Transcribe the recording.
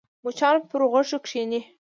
مچان پر غوښو کښېني